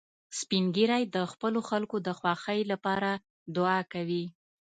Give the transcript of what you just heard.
سپین ږیری د خپلو خلکو د خوښۍ لپاره دعا کوي